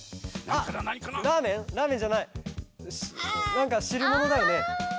なんかしるものだよね？